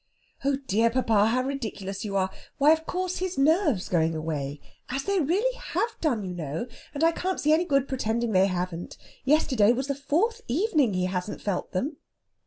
"Oh dear, papa, how ridiculous you are! Why, of course, his nerves going away as they really have done, you know; and I can't see any good pretending they haven't. Yesterday was the fourth evening he hasn't felt them...."